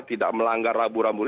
tidak melanggar rambu rambu